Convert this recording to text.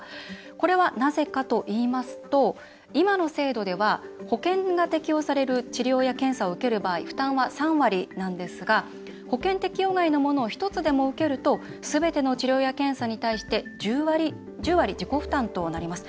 これはなぜかといいますと今の制度では、保険が適用される治療や検査を受ける場合負担は３割なんですが保険適用外のものを１つでも受けるとすべての治療や検査に対して１０割自己負担となります。